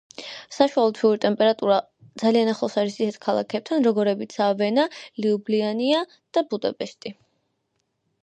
საშუალო თვიური ტემპერატურა ძალიან ახლოს არის ისეთი ქალაქებთან, როგორებიცაა: ვენა, ლიუბლიანა და ბუდაპეშტი.